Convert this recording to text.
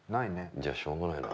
じゃあしょうがないな